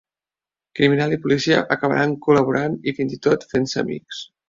Criminal i policia acabaran col·laborant i fins i tot fent-se amics.